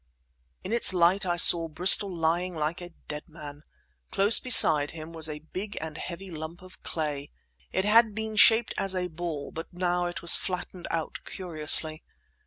In its light I saw Bristol lying like a dead man. Close beside him was a big and heavy lump of clay. It had been shaped as a ball, but now it was flattened out curiously.